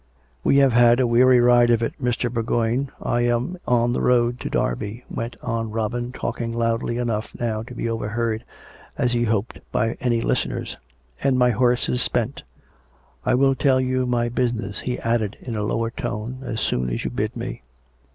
" We have had a weary ride of it, Mr. Bourgoign. ... I am on the road to Derby," went on Robin, talking loudly enough now to be overheard, as he hoped, by any listeners. " And my horse is spent. ... I will tell you my busi ness," he added in a lower tone, " as soon as you bid me."